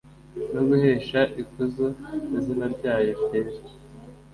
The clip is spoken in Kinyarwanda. no guhesha ikuzo izina ryayo ryera.